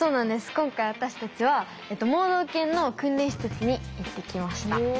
今回私たちは盲導犬の訓練施設に行ってきました。